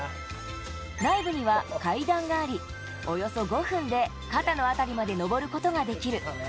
内部には階段があり、およそ５分で肩の辺りまで登ることができる。